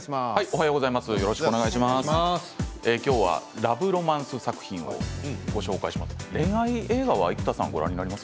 今日はラブロマンス作品をご紹介します。